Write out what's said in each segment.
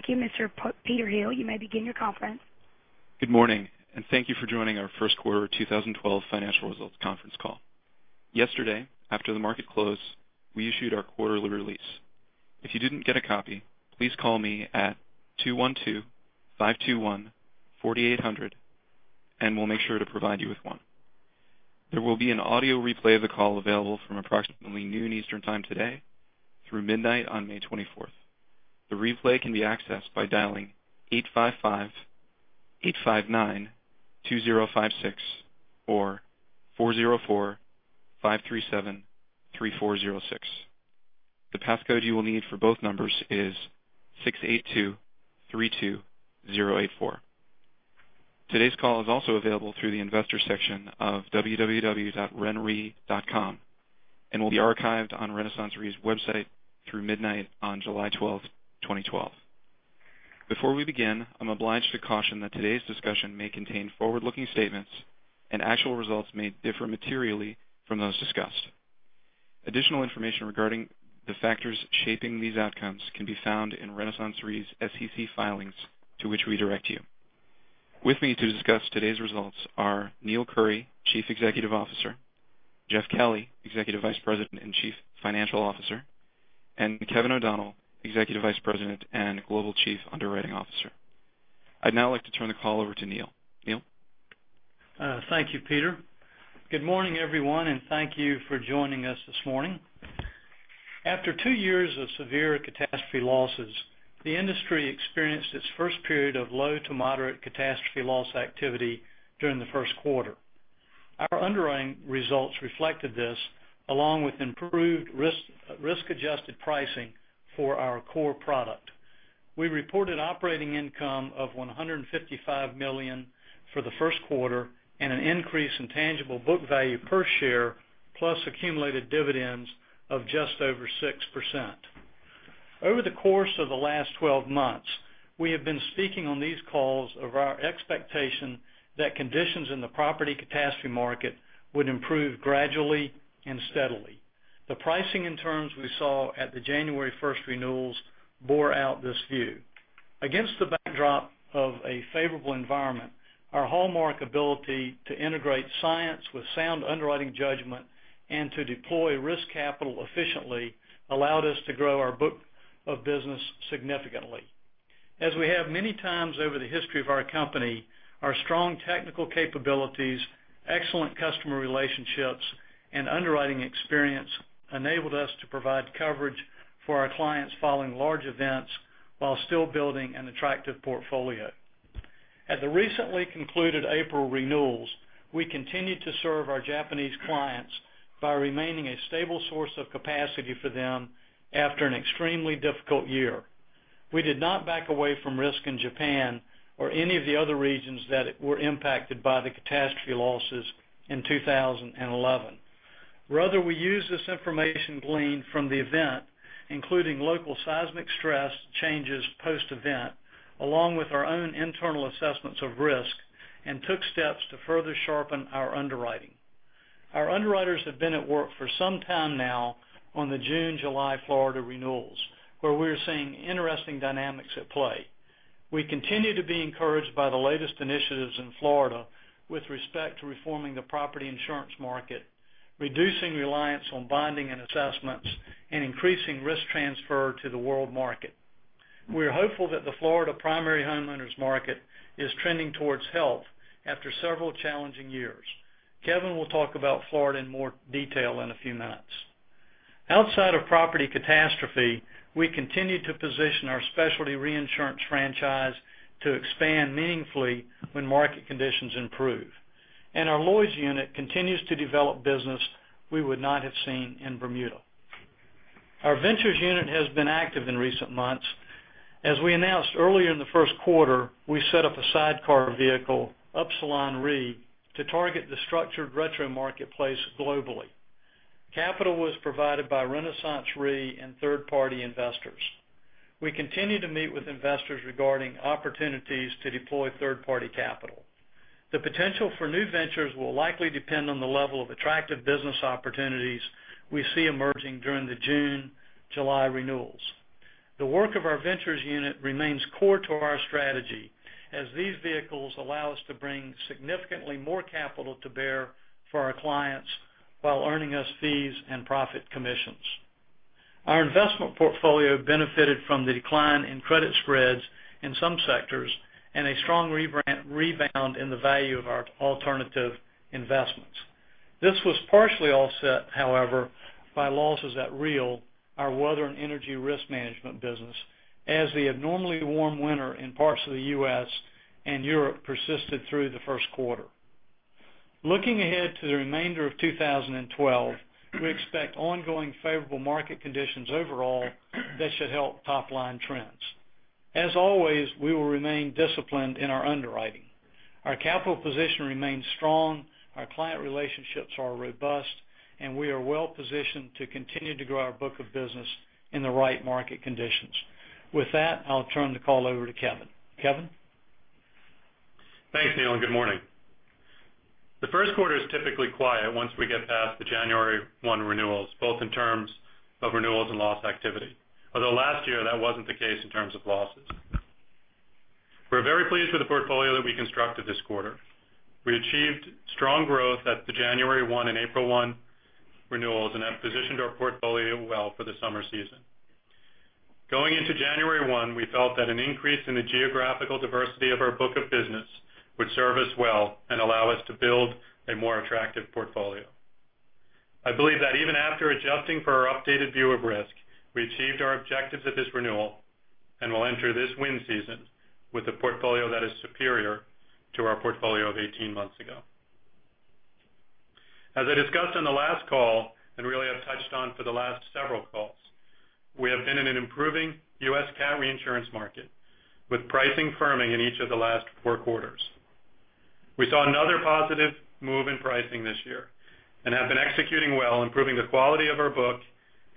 Thank you, Mr. Peter Hill. You may begin your conference. Good morning. Thank you for joining our first quarter 2012 financial results conference call. Yesterday, after the market closed, we issued our quarterly release. If you didn't get a copy, please call me at 212-521-4800, and we'll make sure to provide you with one. There will be an audio replay of the call available from approximately noon Eastern Time today through midnight on May 24th. The replay can be accessed by dialing 855-859-2056 or 404-537-3406. The passcode you will need for both numbers is 68232084. Today's call is also available through the investor section of www.renre.com and will be archived on RenaissanceRe's website through midnight on July 12th, 2012. Before we begin, I'm obliged to caution that today's discussion may contain forward-looking statements and actual results may differ materially from those discussed. Additional information regarding the factors shaping these outcomes can be found in RenaissanceRe's SEC filings to which we direct you. With me to discuss today's results are Neill Currie, Chief Executive Officer, Jeff Kelly, Executive Vice President and Chief Financial Officer, and Kevin O'Donnell, Executive Vice President and Global Chief Underwriting Officer. I'd now like to turn the call over to Neill. Neill? Thank you, Peter. Good morning, everyone. Thank you for joining us this morning. After two years of severe catastrophe losses, the industry experienced its first period of low to moderate catastrophe loss activity during the first quarter. Our underwriting results reflected this, along with improved risk-adjusted pricing for our core product. We reported operating income of $155 million for the first quarter and an increase in tangible book value per share, plus accumulated dividends of just over 6%. Over the course of the last 12 months, we have been speaking on these calls of our expectation that conditions in the property catastrophe market would improve gradually and steadily. The pricing and terms we saw at the January 1st renewals bore out this view. Against the backdrop of a favorable environment, our hallmark ability to integrate science with sound underwriting judgment and to deploy risk capital efficiently allowed us to grow our book of business significantly. As we have many times over the history of our company, our strong technical capabilities, excellent customer relationships, and underwriting experience enabled us to provide coverage for our clients following large events while still building an attractive portfolio. At the recently concluded April renewals, we continued to serve our Japanese clients by remaining a stable source of capacity for them after an extremely difficult year. We did not back away from risk in Japan or any of the other regions that were impacted by the catastrophe losses in 2011. We used this information gleaned from the event, including local seismic stress changes post-event, along with our own internal assessments of risk, and took steps to further sharpen our underwriting. Our underwriters have been at work for some time now on the June/July Florida renewals, where we're seeing interesting dynamics at play. We continue to be encouraged by the latest initiatives in Florida with respect to reforming the property insurance market, reducing reliance on bonding and assessments, and increasing risk transfer to the world market. We are hopeful that the Florida primary homeowners market is trending towards health after several challenging years. Kevin will talk about Florida in more detail in a few minutes. Outside of property catastrophe, we continue to position our specialty reinsurance franchise to expand meaningfully when market conditions improve. Our Lloyd's unit continues to develop business we would not have seen in Bermuda. Our ventures unit has been active in recent months. As we announced earlier in the first quarter, we set up a sidecar vehicle, Upsilon Re, to target the structured retrocession marketplace globally. Capital was provided by RenaissanceRe and third-party investors. We continue to meet with investors regarding opportunities to deploy third-party capital. The potential for new ventures will likely depend on the level of attractive business opportunities we see emerging during the June/July renewals. The work of our ventures unit remains core to our strategy, as these vehicles allow us to bring significantly more capital to bear for our clients while earning us fees and profit commissions. Our investment portfolio benefited from the decline in credit spreads in some sectors and a strong rebound in the value of our alternative investments. This was partially offset, however, by losses at REAL, our weather and energy risk management business, as the abnormally warm winter in parts of the U.S. and Europe persisted through the first quarter. Looking ahead to the remainder of 2012, we expect ongoing favorable market conditions overall that should help top-line trends. As always, we will remain disciplined in our underwriting. Our capital position remains strong, our client relationships are robust, and we are well-positioned to continue to grow our book of business in the right market conditions. With that, I'll turn the call over to Kevin. Kevin? Thanks, Neill, and good morning. The first quarter is typically quiet once we get past the January 1 renewals, both in terms of renewals and loss activity. Although last year that wasn't the case in terms of losses. We're very pleased with the portfolio that we constructed this quarter. We achieved strong growth at the January 1 and April 1 renewals and have positioned our portfolio well for the summer season. Going into January 1, we felt that an increase in the geographical diversity of our book of business would serve us well and allow us to build a more attractive portfolio. I believe that even after adjusting for our updated view of risk, we achieved our objectives at this renewal and will enter this wind season with a portfolio that is superior to our portfolio of 18 months ago. As I discussed on the last call, and really have touched on for the last several calls, we have been in an improving U.S. cat reinsurance market, with pricing firming in each of the last four quarters. We saw another positive move in pricing this year and have been executing well, improving the quality of our book,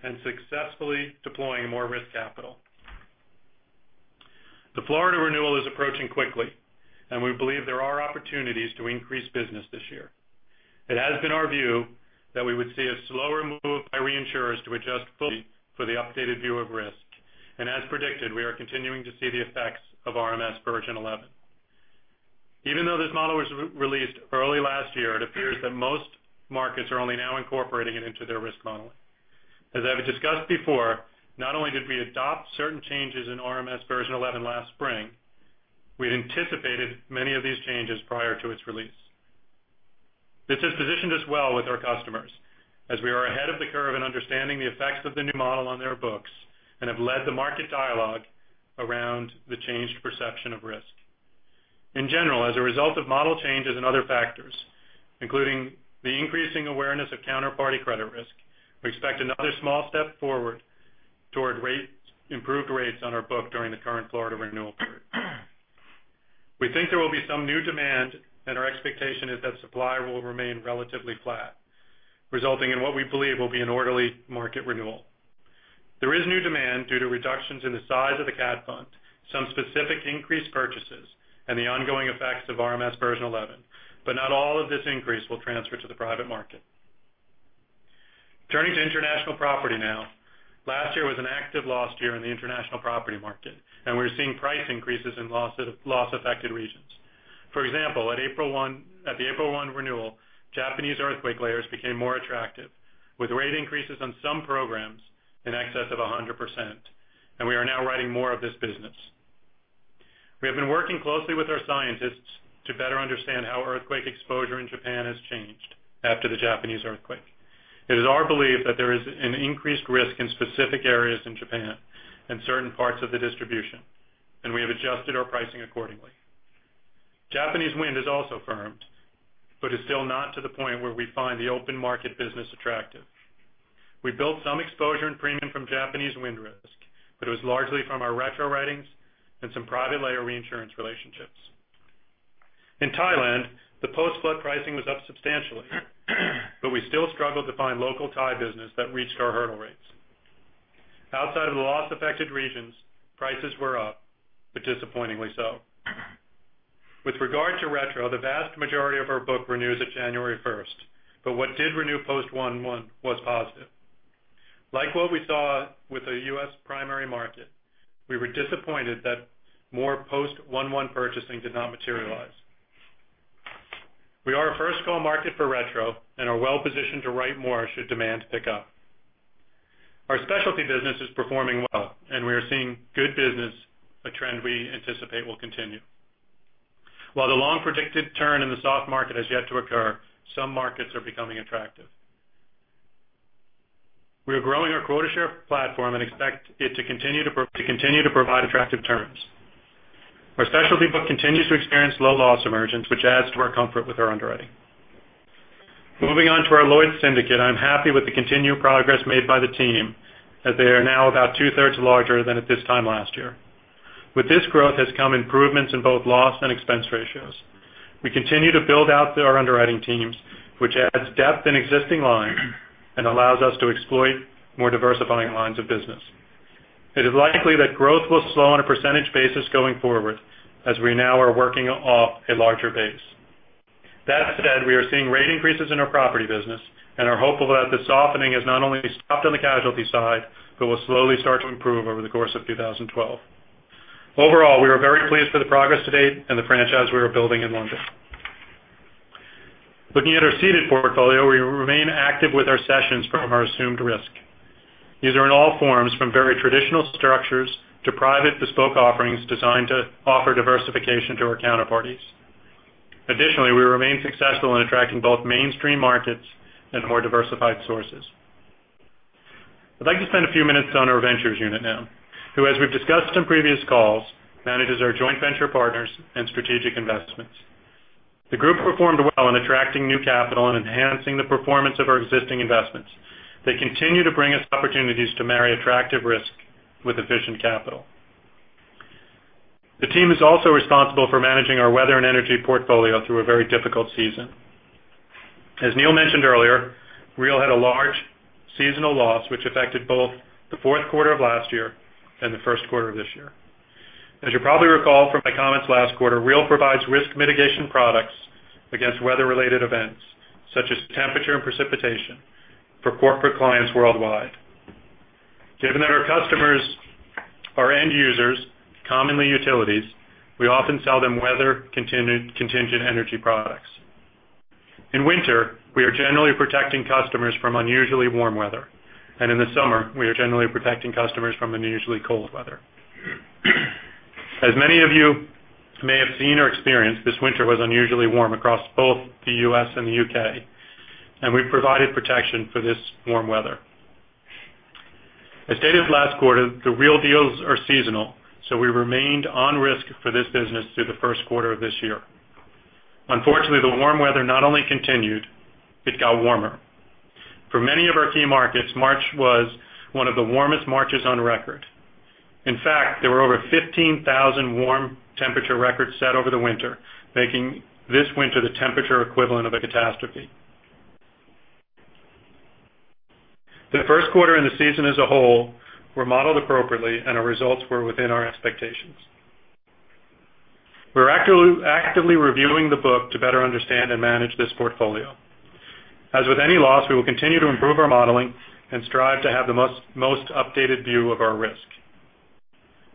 and successfully deploying more risk capital. The Florida renewal is approaching quickly, and we believe there are opportunities to increase business this year. It has been our view that we would see a slower move by reinsurers to adjust fully for the updated view of risk, and as predicted, we are continuing to see the effects of RMS version 11. Even though this model was released early last year, it appears that most markets are only now incorporating it into their risk modeling. As I have discussed before, not only did we adopt certain changes in RMS version 11 last spring, we had anticipated many of these changes prior to its release. This has positioned us well with our customers, as we are ahead of the curve in understanding the effects of the new model on their books and have led the market dialogue around the changed perception of risk. In general, as a result of model changes and other factors, including the increasing awareness of counterparty credit risk, we expect another small step forward toward improved rates on our book during the current Florida renewal period. We think there will be some new demand, and our expectation is that supply will remain relatively flat, resulting in what we believe will be an orderly market renewal. There is new demand due to reductions in the size of the cat fund, some specific increased purchases, and the ongoing effects of RMS version 11, but not all of this increase will transfer to the private market. Turning to international property now, last year was an active loss year in the international property market, and we're seeing price increases in loss-affected regions. For example, at the April 1 renewal, Japanese earthquake layers became more attractive, with rate increases on some programs in excess of 100%, and we are now writing more of this business. We have been working closely with our scientists to better understand how earthquake exposure in Japan has changed after the Japanese earthquake. It is our belief that there is an increased risk in specific areas in Japan and certain parts of the distribution, and we have adjusted our pricing accordingly. Japanese wind has also firmed, but is still not to the point where we find the open market business attractive. We built some exposure and premium from Japanese wind risk, but it was largely from our retro writings and some private layer reinsurance relationships. In Thailand, the post-flood pricing was up substantially, but we still struggled to find local Thai business that reached our hurdle rates. Outside of the loss-affected regions, prices were up, but disappointingly so. With regard to retro, the vast majority of our book renews at January 1st, but what did renew post 1/1 was positive. Like what we saw with the U.S. primary market, we were disappointed that more post 1/1 purchasing did not materialize. We are a first-call market for retro and are well positioned to write more should demand pick up. Our specialty business is performing well. We are seeing good business, a trend we anticipate will continue. While the long-predicted turn in the soft market has yet to occur, some markets are becoming attractive. We are growing our quota share platform and expect it to continue to provide attractive terms. Our specialty book continues to experience low loss emergence, which adds to our comfort with our underwriting. Moving on to our Lloyd's Syndicate, I'm happy with the continued progress made by the team, that they are now about two-thirds larger than at this time last year. With this growth has come improvements in both loss and expense ratios. We continue to build out our underwriting teams, which adds depth in existing lines and allows us to exploit more diversifying lines of business. It is likely that growth will slow on a percentage basis going forward, as we now are working off a larger base. That said, we are seeing rate increases in our property business and are hopeful that the softening has not only stopped on the casualty side, but will slowly start to improve over the course of 2012. Overall, we are very pleased with the progress to date and the franchise we are building in London. Looking at our ceded portfolio, we remain active with our cessions from our assumed risk. These are in all forms, from very traditional structures to private bespoke offerings designed to offer diversification to our counterparties. Additionally, we remain successful in attracting both mainstream markets and more diversified sources. I'd like to spend a few minutes on our ventures unit now, who, as we've discussed in previous calls, manages our joint venture partners and strategic investments. The group performed well in attracting new capital and enhancing the performance of our existing investments. They continue to bring us opportunities to marry attractive risk with efficient capital. The team is also responsible for managing our weather and energy portfolio through a very difficult season. As Neill mentioned earlier, REAL had a large seasonal loss, which affected both the fourth quarter of last year and the first quarter of this year. As you probably recall from my comments last quarter, REAL provides risk mitigation products against weather-related events, such as temperature and precipitation, for corporate clients worldwide. Given that our customers are end users, commonly utilities, we often sell them weather-contingent energy products. In winter, we are generally protecting customers from unusually warm weather, and in the summer, we are generally protecting customers from unusually cold weather. As many of you may have seen or experienced, this winter was unusually warm across both the U.S. and the U.K., and we provided protection for this warm weather. As stated last quarter, the REAL deals are seasonal, we remained on risk for this business through the first quarter of this year. Unfortunately, the warm weather not only continued, it got warmer. For many of our key markets, March was one of the warmest Marches on record. In fact, there were over 15,000 warm temperature records set over the winter, making this winter the temperature equivalent of a catastrophe. The first quarter and the season as a whole were modeled appropriately, and our results were within our expectations. We're actively reviewing the book to better understand and manage this portfolio. As with any loss, we will continue to improve our modeling and strive to have the most updated view of our risk.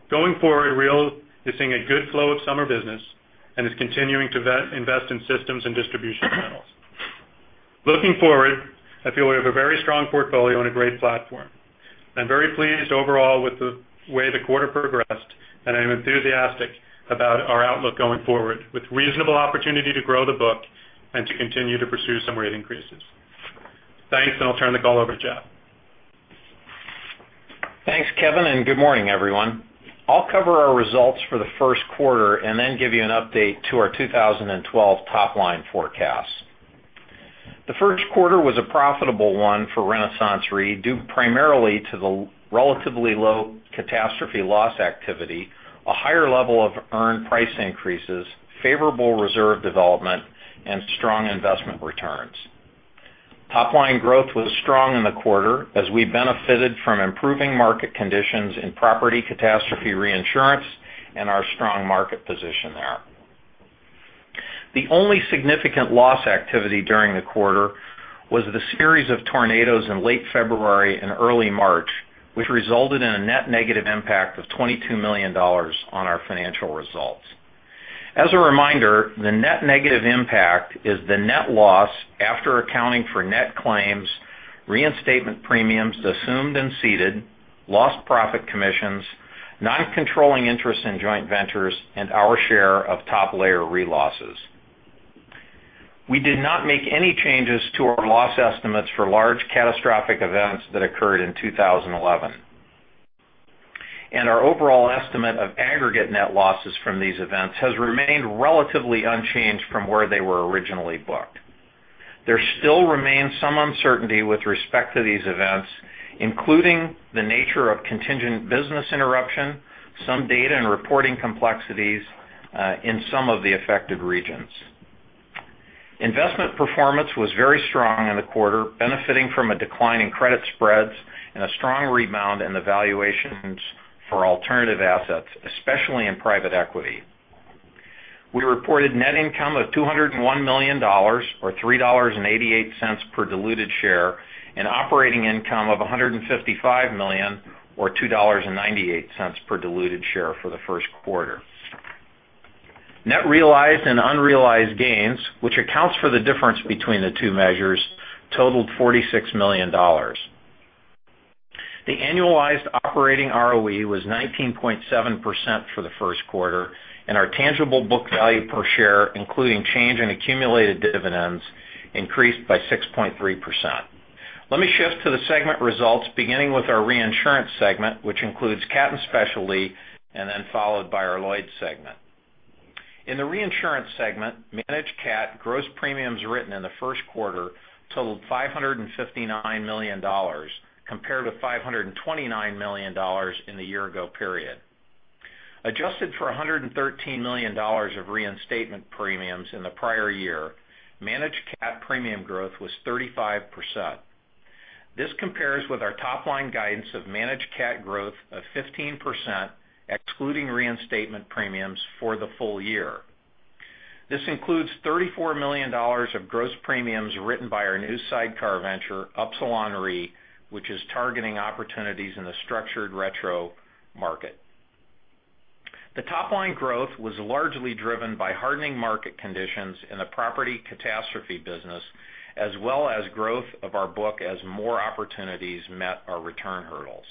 Going forward, ReAl is seeing a good flow of summer business and is continuing to invest in systems and distribution channels. Looking forward, I feel we have a very strong portfolio and a great platform. I'm very pleased overall with the way the quarter progressed, and I am enthusiastic about our outlook going forward, with reasonable opportunity to grow the book and to continue to pursue some rate increases. Thanks, and I'll turn the call over to Jeff. Thanks, Kevin, good morning, everyone. I'll cover our results for the first quarter then give you an update to our 2012 top-line forecast. The first quarter was a profitable one for RenaissanceRe, due primarily to the relatively low catastrophe loss activity, a higher level of earned price increases, favorable reserve development, and strong investment returns. Top-line growth was strong in the quarter as we benefited from improving market conditions in property catastrophe reinsurance and our strong market position there. The only significant loss activity during the quarter was the series of tornadoes in late February and early March, which resulted in a net negative impact of $22 million on our financial results. As a reminder, the net negative impact is the net loss after accounting for net claims, reinstatement premiums assumed and ceded, lost profit commissions, non-controlling interest in joint ventures, and our share of Top Layer Re-losses. We did not make any changes to our loss estimates for large catastrophic events that occurred in 2011. Our overall estimate of aggregate net losses from these events has remained relatively unchanged from where they were originally booked. There still remains some uncertainty with respect to these events, including the nature of contingent business interruption, some data and reporting complexities in some of the affected regions. Investment performance was very strong in the quarter, benefiting from a decline in credit spreads and a strong rebound in the valuations for alternative assets, especially in private equity. We reported net income of $201 million, or $3.88 per diluted share, and operating income of $155 million, or $2.98 per diluted share, for the first quarter. Net realized and unrealized gains, which accounts for the difference between the two measures, totaled $46 million. The annualized operating ROE was 19.7% for the first quarter, and our tangible book value per share, including change in accumulated dividends, increased by 6.3%. Let me shift to the segment results, beginning with our Reinsurance segment, which includes cat and specialty, then followed by our Lloyd's segment. In the Reinsurance segment, Managed Cat gross premiums written in the first quarter totaled $559 million, compared to $529 million in the year-ago period. Adjusted for $113 million of reinstatement premiums in the prior year, Managed Cat premium growth was 35%. This compares with our top-line guidance of Managed Cat growth of 15%, excluding reinstatement premiums for the full year. This includes $34 million of gross premiums written by our new sidecar venture, Upsilon Re, which is targeting opportunities in the structured retro market. The top-line growth was largely driven by hardening market conditions in the property catastrophe business, as well as growth of our book as more opportunities met our return hurdles.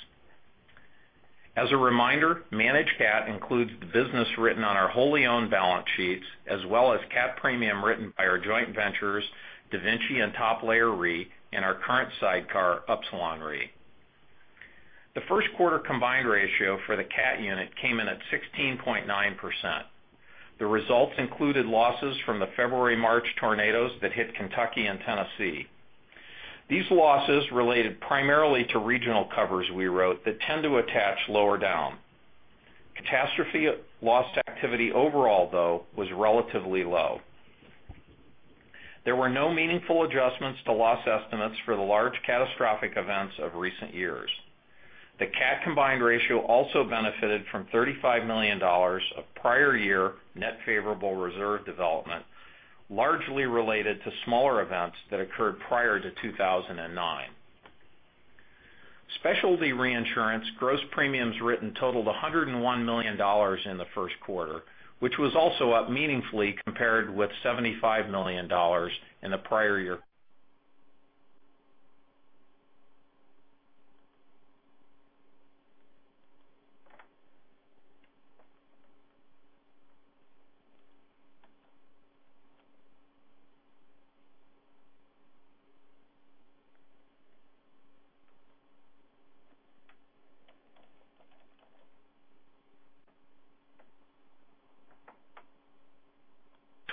As a reminder, Managed Cat includes the business written on our wholly owned balance sheets, as well as cat premium written by our joint ventures, DaVinci and Top Layer Re, and our current sidecar, Upsilon Re. The first quarter combined ratio for the cat unit came in at 16.9%. The results included losses from the February, March tornadoes that hit Kentucky and Tennessee. These losses related primarily to regional covers we wrote that tend to attach lower down. Catastrophe loss activity overall, though, was relatively low. There were no meaningful adjustments to loss estimates for the large catastrophic events of recent years. The cat combined ratio also benefited from $35 million of prior year net favorable reserve development, largely related to smaller events that occurred prior to 2009. Specialty reinsurance gross premiums written totaled $101 million in the first quarter, which was also up meaningfully compared with $75 million in the prior year.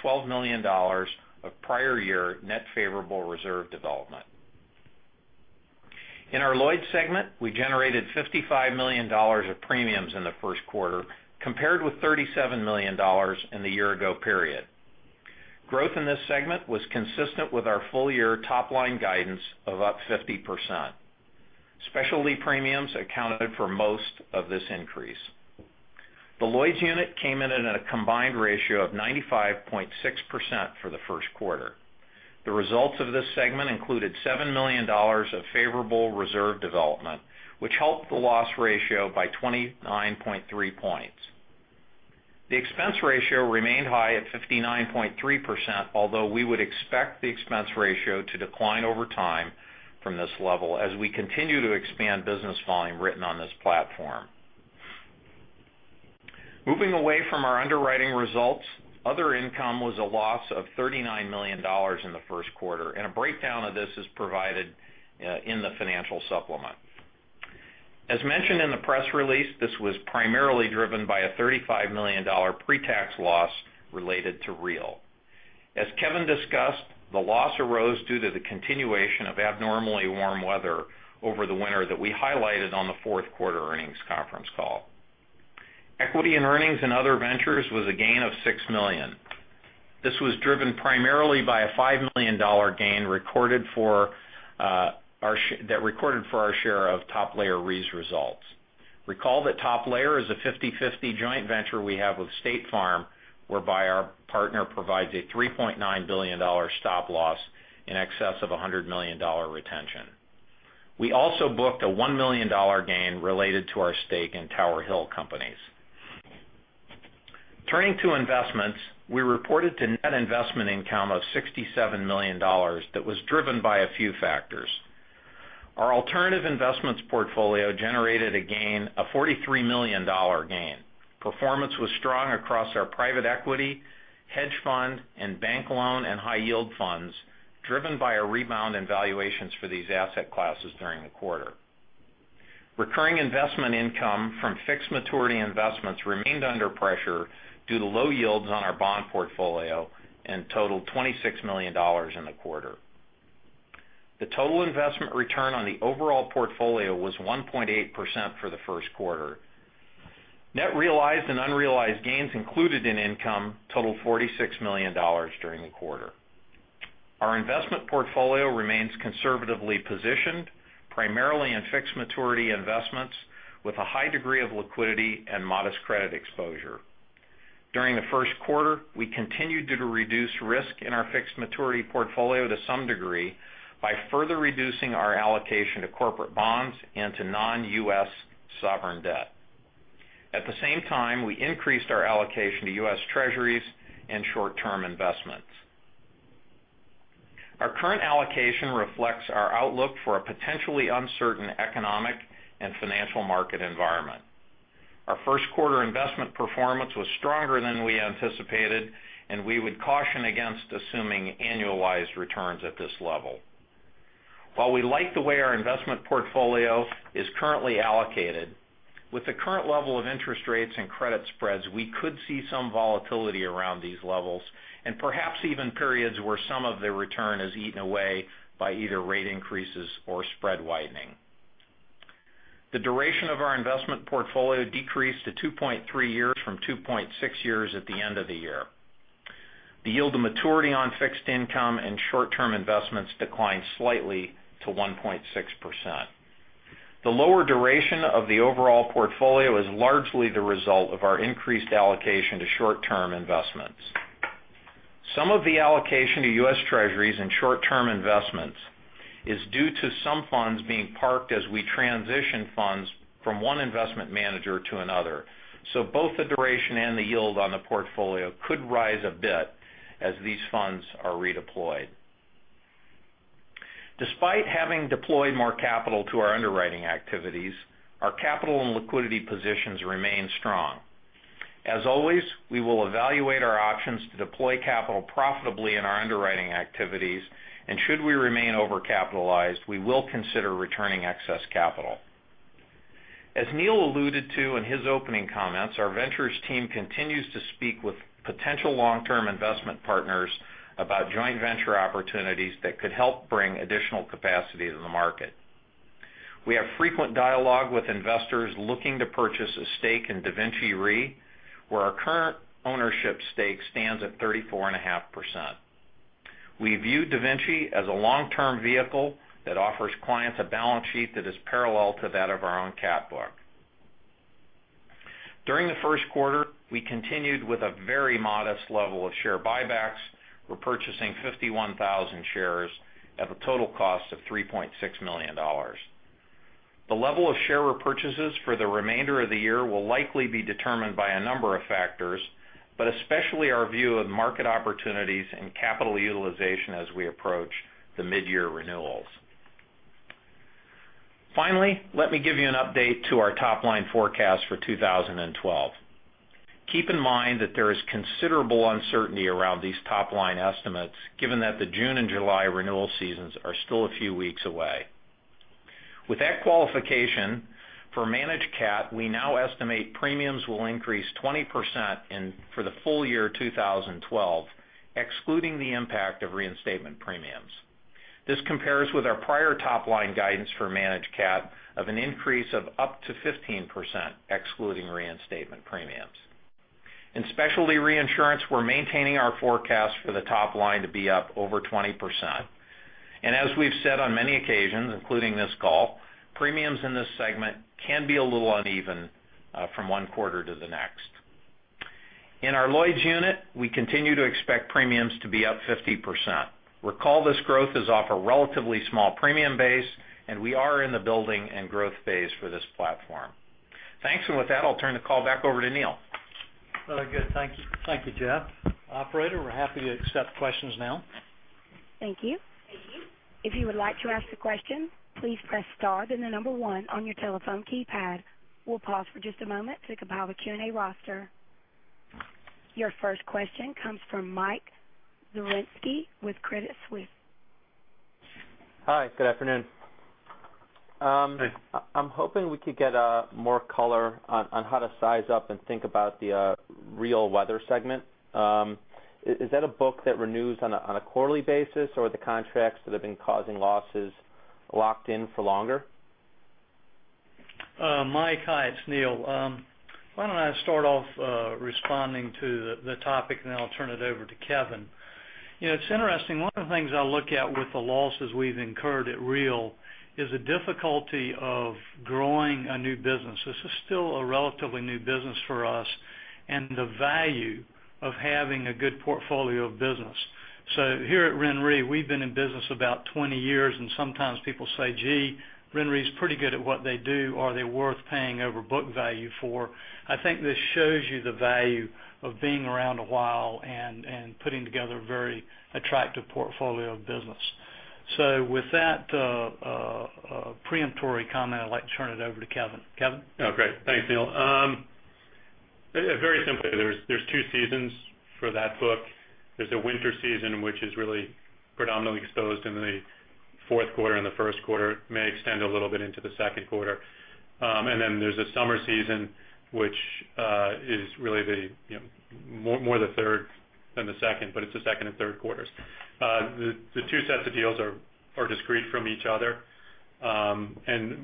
$12 million of prior year net favorable reserve development. In our Lloyd's segment, we generated $55 million of premiums in the first quarter, compared with $37 million in the year-ago period. Growth in this segment was consistent with our full year top-line guidance of up 50%. Specialty premiums accounted for most of this increase. The Lloyd's unit came in at a combined ratio of 95.6% for the first quarter. The results of this segment included $7 million of favorable reserve development, which helped the loss ratio by 29.3 points. The expense ratio remained high at 59.3%, although we would expect the expense ratio to decline over time from this level as we continue to expand business volume written on this platform. Moving away from our underwriting results, other income was a loss of $39 million in the first quarter, and a breakdown of this is provided in the financial supplement. As mentioned in the press release, this was primarily driven by a $35 million pre-tax loss related to REAL. As Kevin discussed, the loss arose due to the continuation of abnormally warm weather over the winter that we highlighted on the fourth quarter earnings conference call. Equity and earnings in other ventures was a gain of $6 million. This was driven primarily by a $5 million gain that recorded for our share of Top Layer Re's results. Recall that Top Layer is a 50/50 joint venture we have with State Farm, whereby our partner provides a $3.9 billion stop loss in excess of $100 million retention. We also booked a $1 million gain related to our stake in Tower Hill Companies. Turning to investments, we reported the net investment income of $67 million that was driven by a few factors. Our alternative investments portfolio generated a $43 million gain. Performance was strong across our private equity, hedge fund, and bank loan and high yield funds, driven by a rebound in valuations for these asset classes during the quarter. Recurring investment income from fixed maturity investments remained under pressure due to low yields on our bond portfolio and totaled $26 million in the quarter. The total investment return on the overall portfolio was 1.8% for the first quarter. Net realized and unrealized gains included in income totaled $46 million during the quarter. Our investment portfolio remains conservatively positioned, primarily in fixed maturity investments with a high degree of liquidity and modest credit exposure. During the first quarter, we continued to reduce risk in our fixed maturity portfolio to some degree by further reducing our allocation to corporate bonds and to non-U.S. sovereign debt. At the same time, we increased our allocation to U.S. Treasuries and short-term investments. Our current allocation reflects our outlook for a potentially uncertain economic and financial market environment. Our first quarter investment performance was stronger than we anticipated, and we would caution against assuming annualized returns at this level. While we like the way our investment portfolio is currently allocated. With the current level of interest rates and credit spreads, we could see some volatility around these levels and perhaps even periods where some of the return is eaten away by either rate increases or spread widening. The duration of our investment portfolio decreased to 2.3 years from 2.6 years at the end of the year. The yield to maturity on fixed income and short-term investments declined slightly to 1.6%. The lower duration of the overall portfolio is largely the result of our increased allocation to short-term investments. Some of the allocation to U.S. Treasuries and short-term investments is due to some funds being parked as we transition funds from one investment manager to another. Both the duration and the yield on the portfolio could rise a bit as these funds are redeployed. Despite having deployed more capital to our underwriting activities, our capital and liquidity positions remain strong. As always, we will evaluate our options to deploy capital profitably in our underwriting activities, and should we remain overcapitalized, we will consider returning excess capital. As Neill alluded to in his opening comments, our ventures team continues to speak with potential long-term investment partners about joint venture opportunities that could help bring additional capacity to the market. We have frequent dialogue with investors looking to purchase a stake in DaVinci Re, where our current ownership stake stands at 34.5%. We view DaVinci as a long-term vehicle that offers clients a balance sheet that is parallel to that of our own cat book. During the first quarter, we continued with a very modest level of share buybacks, repurchasing 51,000 shares at a total cost of $3.6 million. The level of share repurchases for the remainder of the year will likely be determined by a number of factors, but especially our view of market opportunities and capital utilization as we approach the mid-year renewals. Finally, let me give you an update to our top-line forecast for 2012. Keep in mind that there is considerable uncertainty around these top-line estimates, given that the June and July renewal seasons are still a few weeks away. With that qualification, for Managed Cat, we now estimate premiums will increase 20% for the full year 2012, excluding the impact of reinstatement premiums. This compares with our prior top-line guidance for Managed Cat of an increase of up to 15%, excluding reinstatement premiums. In Specialty Reinsurance, we're maintaining our forecast for the top line to be up over 20%. As we've said on many occasions, including this call, premiums in this segment can be a little uneven from one quarter to the next. In our Lloyd's unit, we continue to expect premiums to be up 50%. Recall this growth is off a relatively small premium base, and we are in the building and growth phase for this platform. Thanks. With that, I'll turn the call back over to Neill. Very good. Thank you, Jeff. Operator, we're happy to accept questions now. Thank you. If you would like to ask a question, please press star then the number 1 on your telephone keypad. We'll pause for just a moment to compile the Q&A roster. Your first question comes from Mike Zaremski with Credit Suisse. Hi, good afternoon. Hi. I'm hoping we could get more color on how to size up and think about the REAL weather segment. Is that a book that renews on a quarterly basis, or are the contracts that have been causing losses locked in for longer? Michael, hi, it's Neill. Why don't I start off responding to the topic, then I'll turn it over to Kevin. It's interesting. One of the things I look at with the losses we've incurred at REAL is the difficulty of growing a new business. This is still a relatively new business for us, and the value of having a good portfolio of business. Here at RenRe, we've been in business about 20 years, and sometimes people say, "Gee, RenRe's pretty good at what they do. Are they worth paying over book value for?" I think this shows you the value of being around a while and putting together a very attractive portfolio of business. With that preemptory comment, I'd like to turn it over to Kevin. Kevin? Great. Thanks, Neill. Very simply, there's two seasons for that book. There's a winter season, which is really predominantly exposed in the fourth quarter and the first quarter, may extend a little bit into the second quarter. Then there's a summer season, which is really more the third than the second, but it's the second and third quarters. The two sets of deals are discrete from each other.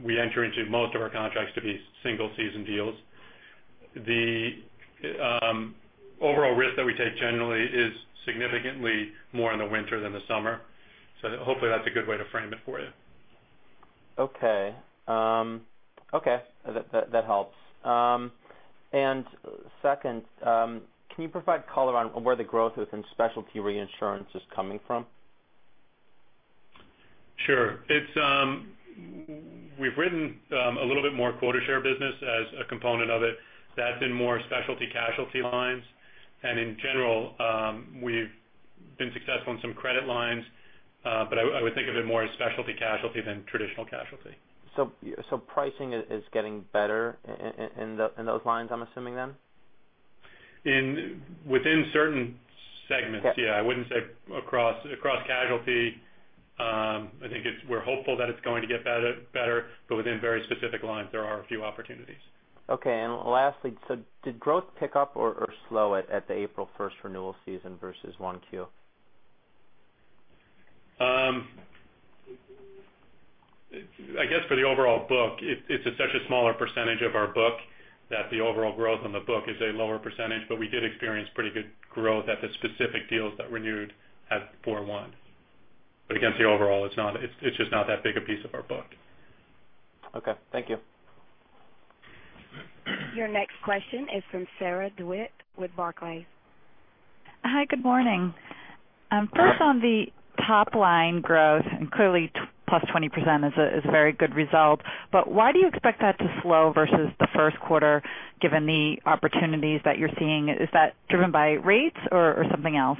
We enter into most of our contracts to be single season deals. The overall risk that we take generally is significantly more in the winter than the summer. Hopefully, that's a good way to frame it for you. That helps. Second, can you provide color on where the growth within specialty reinsurance is coming from? Sure. We've written a little bit more quota share business as a component of it. That's in more specialty casualty lines. In general, we've been successful in some credit lines. I would think of it more as specialty casualty than traditional casualty. Pricing is getting better in those lines, I'm assuming then? Within certain segments, yeah. I wouldn't say across casualty. I think we're hopeful that it's going to get better, but within very specific lines, there are a few opportunities. Okay. Lastly, did growth pick up or slow at the April 1st renewal season versus 1Q? I guess for the overall book, it's such a smaller percentage of our book that the overall growth in the book is a lower percentage, we did experience pretty good growth at the specific deals that renewed at 4/1. Again, the overall, it's just not that big a piece of our book. Okay. Thank you. Your next question is from Sarah DeWitt with Barclays. Hi, good morning. First on the top-line growth, clearly plus 20% is a very good result, why do you expect that to slow versus the first quarter given the opportunities that you're seeing? Is that driven by rates or something else?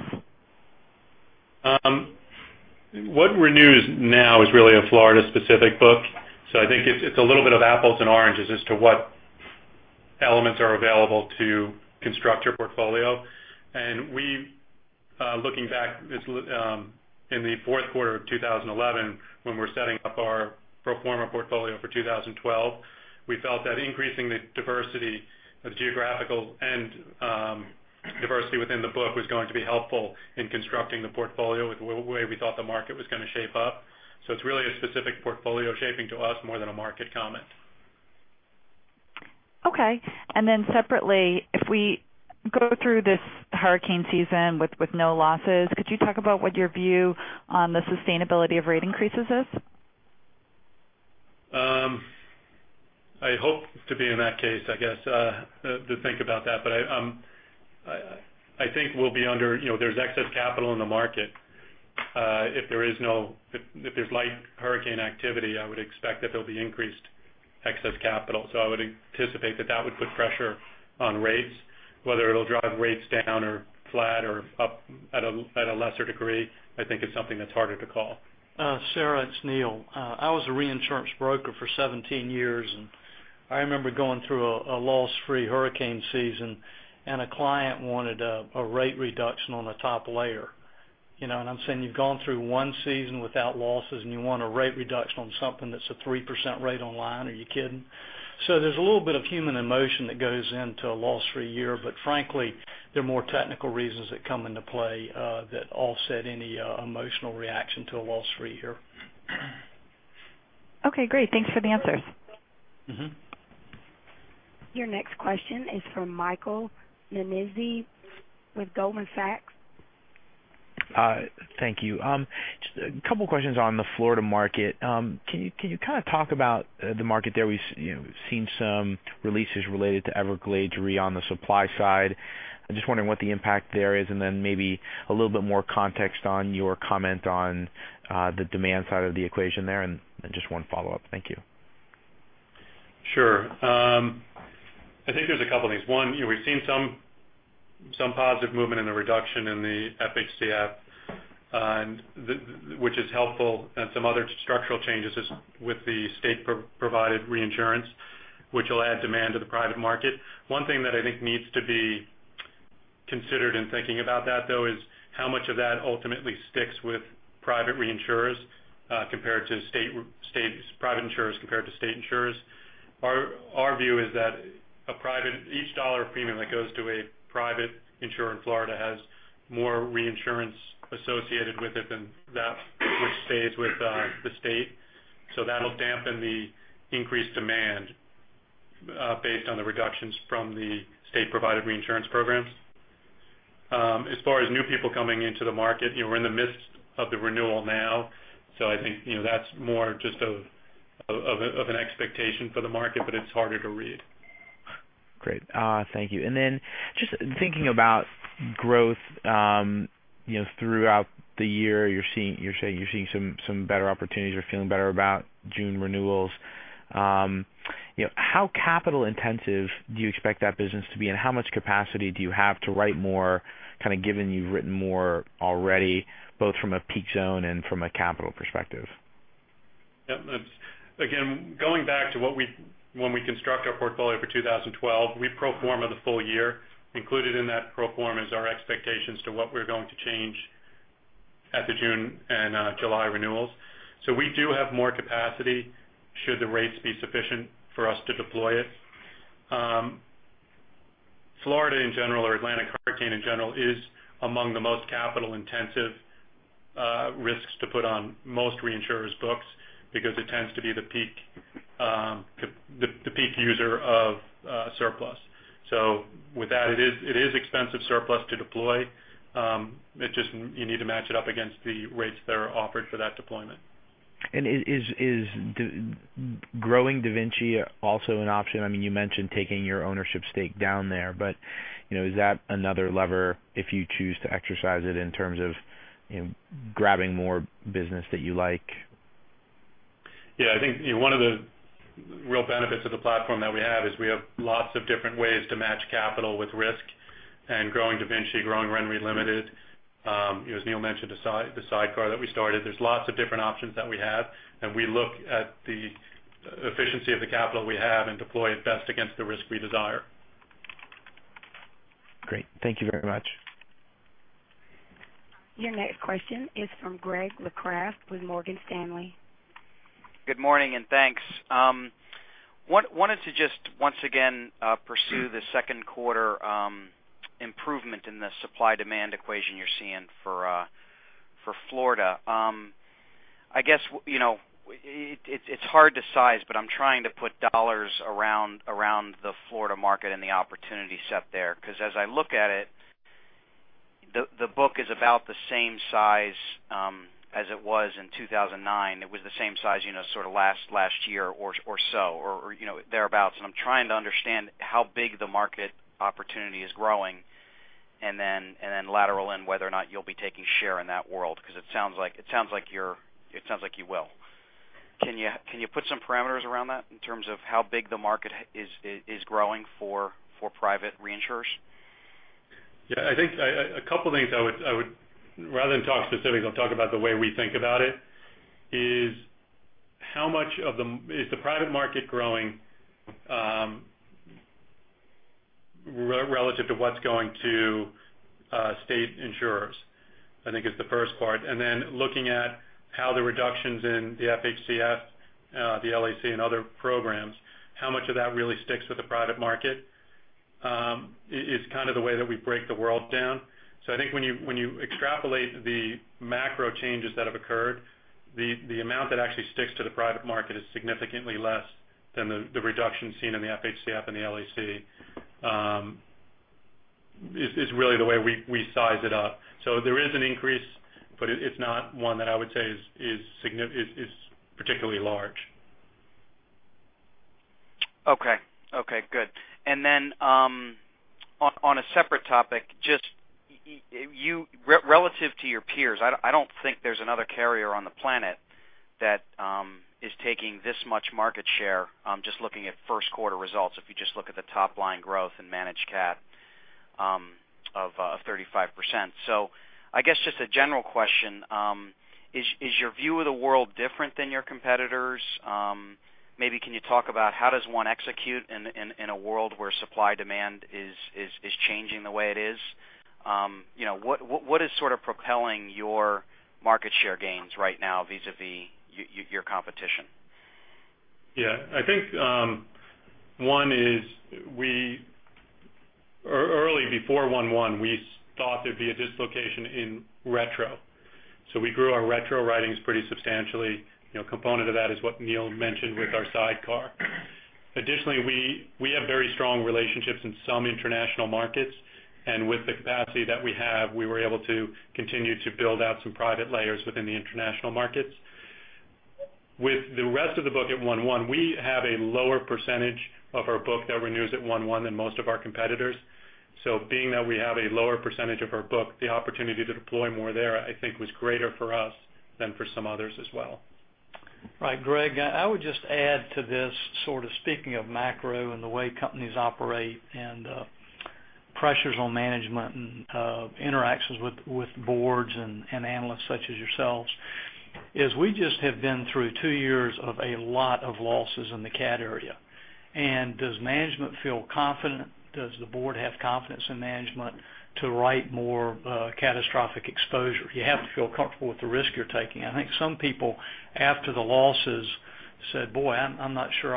What renews now is really a Florida specific book. I think it's a little bit of apples and oranges as to what elements are available to construct your portfolio. We, looking back in the fourth quarter of 2011, when we're setting up our pro forma portfolio for 2012, we felt that increasing the diversity of geographical and diversity within the book was going to be helpful in constructing the portfolio with the way we thought the market was going to shape up. It's really a specific portfolio shaping to us more than a market comment. Okay. Separately, if we go through this hurricane season with no losses, could you talk about what your view on the sustainability of rate increases is? I hope to be in that case, I guess, to think about that. I think there's excess capital in the market. If there's light hurricane activity, I would expect that there'll be increased excess capital. I would anticipate that that would put pressure on rates. Whether it'll drive rates down or flat or up at a lesser degree, I think it's something that's harder to call. Sarah, it's Neill. I was a reinsurance broker for 17 years. I remember going through a loss-free hurricane season, and a client wanted a rate reduction on the top layer. I'm saying, "You've gone through one season without losses, and you want a rate reduction on something that's a 3% rate on line. Are you kidding." There's a little bit of human emotion that goes into a loss for a year, but frankly, there are more technical reasons that come into play that offset any emotional reaction to a loss-free year. Okay, great. Thanks for the answers. Your next question is from Michael Nannizzi with Goldman Sachs. Thank you. Just a couple of questions on the Florida market. Can you kind of talk about the market there? We've seen some releases related to Everglades Re on the supply side. I'm just wondering what the impact there is, and then maybe a little bit more context on your comment on the demand side of the equation there. Just one follow-up. Thank you. Sure. I think there's a couple of things. One, we've seen some positive movement in the reduction in the FHCF, which is helpful, and some other structural changes with the state provided reinsurance, which will add demand to the private market. One thing that I think needs to be considered in thinking about that, though, is how much of that ultimately sticks with private reinsurers compared to state insurers. Our view is that each dollar of premium that goes to a private insurer in Florida has more reinsurance associated with it than that which stays with the state. That'll dampen the increased demand based on the reductions from the state provided reinsurance programs. As far as new people coming into the market, we're in the midst of the renewal now, so I think that's more just of an expectation for the market, but it's harder to read. Great. Thank you. Just thinking about growth, throughout the year, you're saying you're seeing some better opportunities. You're feeling better about June renewals. How capital intensive do you expect that business to be, and how much capacity do you have to write more, kind of given you've written more already, both from a peak zone and from a capital perspective? Again, going back to when we construct our portfolio for 2012, we pro forma the full year. Included in that pro forma is our expectations to what we're going to change at the June and July renewals. We do have more capacity should the rates be sufficient for us to deploy it. Florida in general or Atlantic hurricane in general is among the most capital intensive risks to put on most reinsurers' books because it tends to be the peak user of surplus. With that, it is expensive surplus to deploy. You need to match it up against the rates that are offered for that deployment. Is growing DaVinci also an option? You mentioned taking your ownership stake down there, but is that another lever if you choose to exercise it in terms of grabbing more business that you like? Yeah, I think one of the real benefits of the platform that we have is we have lots of different ways to match capital with risk. Growing DaVinci, growing RenRe Limited, as Neill mentioned, the sidecar that we started, there's lots of different options that we have, and we look at the efficiency of the capital we have and deploy it best against the risk we desire. Great. Thank you very much. Your next question is from Greg Locraft with Morgan Stanley. Good morning, thanks. Wanted to just once again pursue the second quarter improvement in the supply demand equation you're seeing for Florida. I guess it's hard to size, but I'm trying to put dollars around the Florida market and the opportunity set there because as I look at it, the book is about the same size as it was in 2009. It was the same size sort of last year or so or thereabout. I'm trying to understand how big the market opportunity is growing, and then lateral in whether or not you'll be taking share in that world because it sounds like you will. Can you put some parameters around that in terms of how big the market is growing for private reinsurers? I think a couple of things I would rather than talk specifics, I'll talk about the way we think about it is how much of the private market growing relative to what's going to state insurers, I think is the first part. Looking at how the reductions in the FHCF, the LAC, and other programs, how much of that really sticks with the private market is kind of the way that we break the world down. I think when you extrapolate the macro changes that have occurred, the amount that actually sticks to the private market is significantly less than the reduction seen in the FHCF and the LEC is really the way we size it up. There is an increase, but it's not one that I would say is particularly large. Okay, good. On a separate topic, relative to your peers, I don't think there's another carrier on the planet that is taking this much market share just looking at first quarter results. If you just look at the top line growth in Managed Cat of 35%. I guess just a general question, is your view of the world different than your competitors? Maybe can you talk about how does one execute in a world where supply-demand is changing the way it is? What is sort of propelling your market share gains right now vis-a-vis your competition? I think, one is early before 1/1, we thought there'd be a dislocation in retrocession. We grew our retrocession writings pretty substantially. A component of that is what Neill mentioned with our sidecar. Additionally, we have very strong relationships in some international markets, and with the capacity that we have, we were able to continue to build out some private layers within the international markets. With the rest of the book at 1/1, we have a lower percentage of our book that renews at 1/1 than most of our competitors. Being that we have a lower percentage of our book, the opportunity to deploy more there, I think was greater for us than for some others as well. Right. Greg, I would just add to this sort of speaking of macro and the way companies operate and pressures on management and interactions with boards and analysts such as yourselves is we just have been through 2 years of a lot of losses in the cat area. Does management feel confident? Does the board have confidence in management to write more catastrophic exposure? You have to feel comfortable with the risk you're taking. I think some people after the losses said, "Boy, I'm not sure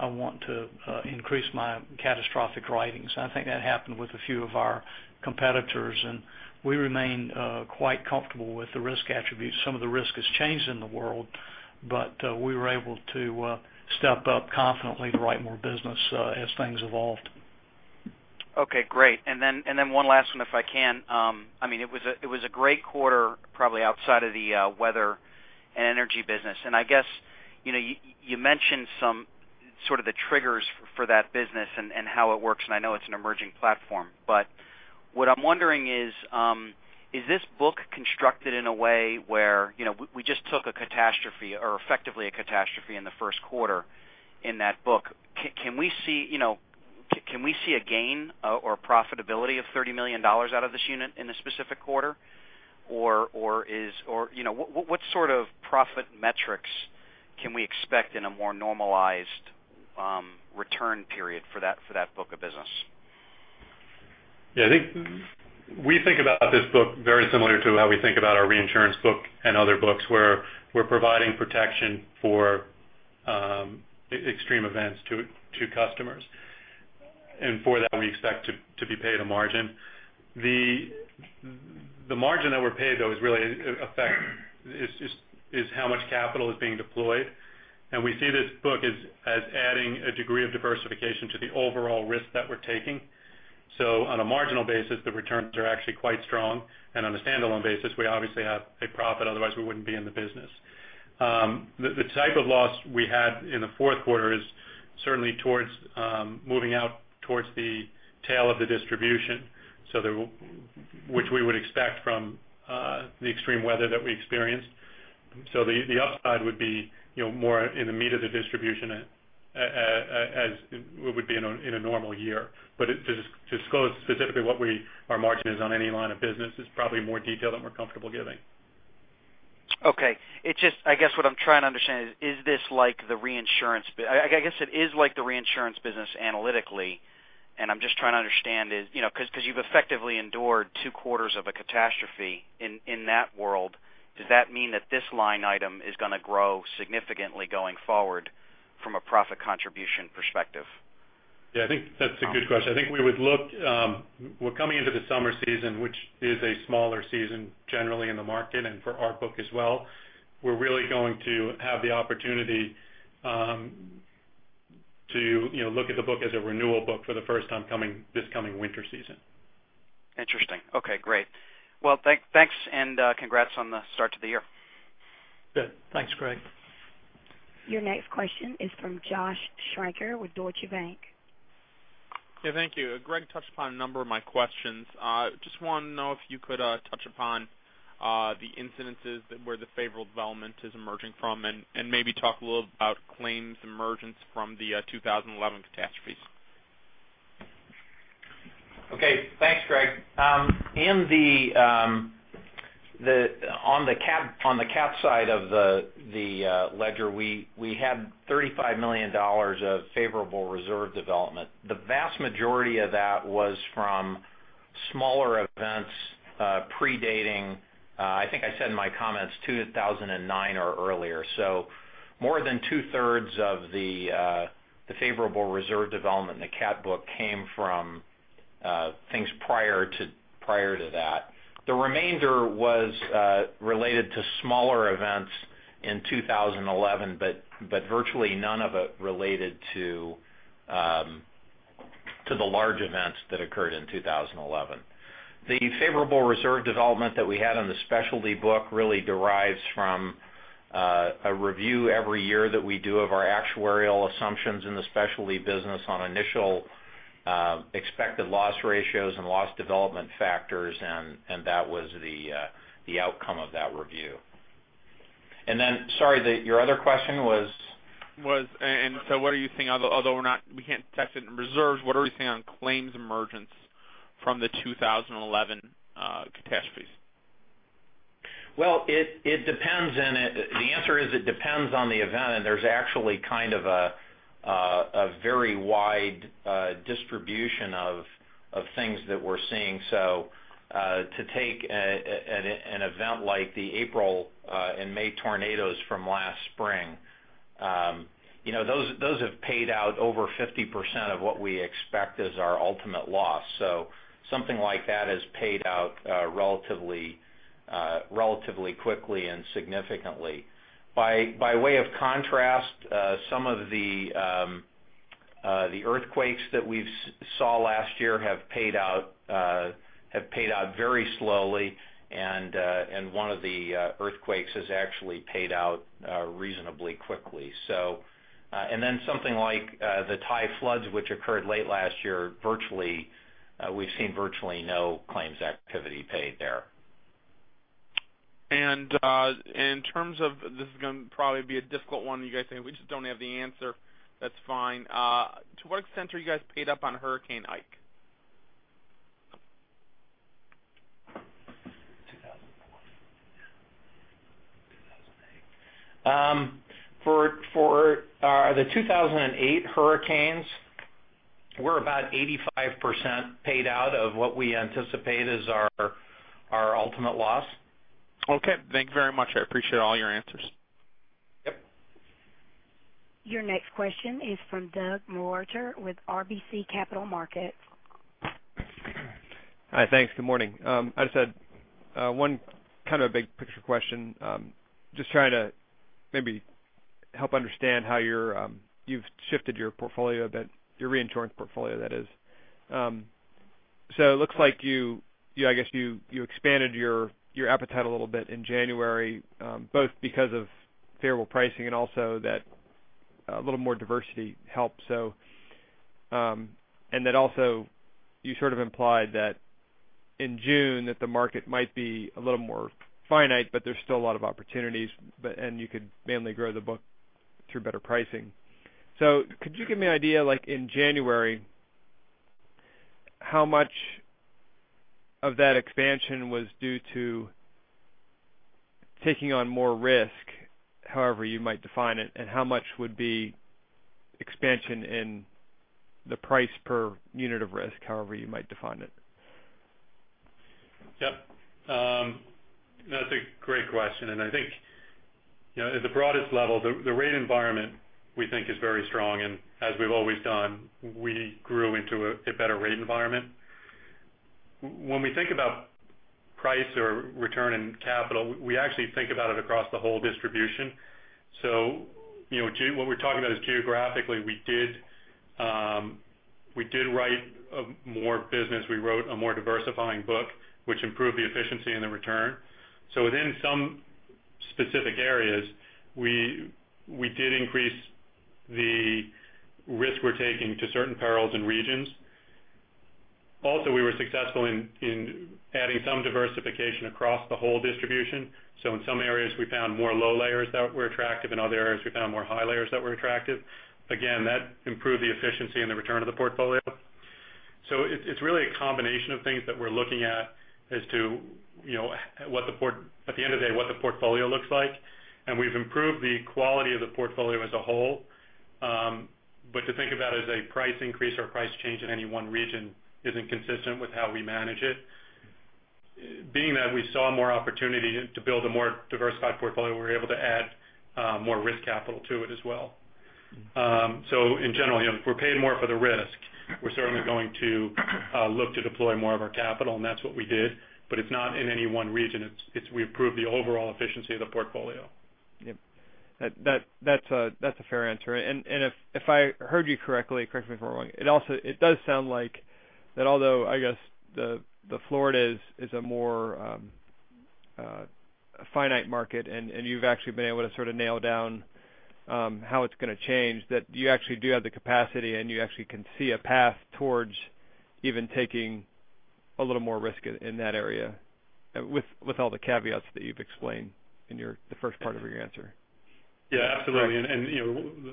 I want to increase my catastrophic writings." I think that happened with a few of our competitors, and we remain quite comfortable with the risk attributes. Some of the risk has changed in the world, but we were able to step up confidently to write more business as things evolved. Okay, great. One last one, if I can. It was a great quarter, probably outside of the weather and energy business. I guess, you mentioned some sort of the triggers for that business and how it works, and I know it's an emerging platform. What I'm wondering is this book constructed in a way where we just took a catastrophe or effectively a catastrophe in the first quarter in that book. Can we see a gain or profitability of $30 million out of this unit in a specific quarter? What sort of profit metrics can we expect in a more normalized return period for that book of business? Yeah, I think we think about this book very similar to how we think about our reinsurance book and other books where we're providing protection for extreme events to customers. For that, we expect to be paid a margin. The margin that we're paid, though, is how much capital is being deployed. We see this book as adding a degree of diversification to the overall risk that we're taking. On a marginal basis, the returns are actually quite strong. On a standalone basis, we obviously have a profit, otherwise we wouldn't be in the business. The type of loss we had in the fourth quarter is certainly moving out towards the tail of the distribution, which we would expect from the extreme weather that we experienced. The upside would be more in the meat of the distribution as it would be in a normal year. To disclose specifically what our margin is on any line of business is probably more detail than we're comfortable giving. Okay. I guess what I'm trying to understand is, I guess it is like the reinsurance business analytically, and I'm just trying to understand is because you've effectively endured two quarters of a catastrophe in that world, does that mean that this line item is going to grow significantly going forward from a profit contribution perspective? Yeah, I think that's a good question. I think we're coming into the summer season, which is a smaller season generally in the market and for our book as well. We're really going to have the opportunity to look at the book as a renewal book for the first time this coming winter season. Interesting. Okay, great. Well, thanks and congrats on the start to the year. Good. Thanks, Greg. Your next question is from Josh Shanker with Deutsche Bank. Yeah, thank you. Greg touched upon a number of my questions. Just want to know if you could touch upon the incidences where the favorable development is emerging from and maybe talk a little bit about claims emergence from the 2011 catastrophes? Okay. Thanks, Greg. On the cat side of the ledger, we had $35 million of favorable reserve development. The vast majority of that was from Smaller events predating, I think I said in my comments, 2009 or earlier. More than 2/3 of the favorable reserve development in the cat book came from things prior to that. The remainder was related to smaller events in 2011, virtually none of it related to the large events that occurred in 2011. The favorable reserve development that we had on the specialty book really derives from a review every year that we do of our actuarial assumptions in the specialty business on initial expected loss ratios and loss development factors, and that was the outcome of that review. Sorry, your other question was? Was, what are you seeing although we can't test it in reserves, what are we seeing on claims emergence from the 2011 catastrophes? The answer is it depends on the event, and there's actually kind of a very wide distribution of things that we're seeing. To take an event like the April and May tornadoes from last spring. Those have paid out over 50% of what we expect as our ultimate loss. Something like that has paid out relatively quickly and significantly. By way of contrast, some of the earthquakes that we saw last year have paid out very slowly and one of the earthquakes has actually paid out reasonably quickly. Then something like the Thai floods, which occurred late last year, we've seen virtually no claims activity paid there. In terms of, this is going to probably be a difficult one, you guys say, we just don't have the answer, that's fine. To what extent are you guys paid up on Hurricane Ike? 2004. Yeah. 2008. For the 2008 hurricanes, we're about 85% paid out of what we anticipate as our ultimate loss. Okay. Thank you very much. I appreciate all your answers. Yep. Your next question is from Doug Mewhirter with RBC Capital Markets. Hi. Thanks. Good morning. I just had one kind of a big picture question. Just trying to maybe help understand how you've shifted your portfolio a bit, your reinsurance portfolio, that is. It looks like you expanded your appetite a little bit in January both because of favorable pricing and also that a little more diversity helped. That also you sort of implied that in June that the market might be a little more finite, but there's still a lot of opportunities, and you could mainly grow the book through better pricing. Could you give me an idea, like in January, how much of that expansion was due to taking on more risk, however you might define it, and how much would be expansion in the price per unit of risk, however you might define it? Yep. That's a great question. I think at the broadest level, the rate environment we think is very strong, and as we've always done, we grew into a better rate environment. When we think about price or return in capital, we actually think about it across the whole distribution. What we're talking about is geographically, we did write more business. We wrote a more diversifying book, which improved the efficiency and the return. Within some specific areas, we did increase the risk we're taking to certain perils and regions. We were successful in adding some diversification across the whole distribution. In some areas, we found more low layers that were attractive. In other areas, we found more high layers that were attractive. That improved the efficiency and the return of the portfolio. It's really a combination of things that we're looking at as to at the end of the day, what the portfolio looks like. We've improved the quality of the portfolio as a whole. To think about as a price increase or price change in any one region isn't consistent with how we manage it. Being that we saw more opportunity to build a more diversified portfolio, we were able to add more risk capital to it as well. In general, if we're paid more for the risk, we're certainly going to look to deploy more of our capital, and that's what we did, but it's not in any one region. It's we improved the overall efficiency of the portfolio. Yep. That's a fair answer. If I heard you correctly, correct me if I'm wrong. It does sound like that although, I guess the Florida is a more finite market, and you've actually been able to sort of nail down how it's going to change, that you actually do have the capacity, and you actually can see a path towards even taking a little more risk in that area, with all the caveats that you've explained in the first part of your answer. Yeah, absolutely.